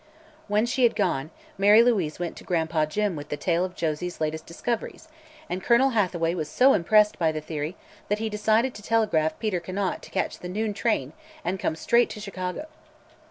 When she had gone, Mary Louise went to Gran'pa Jim with the tale of Josie's latest discoveries and Colonel Hathaway was so impressed by the theory that he decided to telegraph Peter Conant to catch the noon train and come straight to Chicago.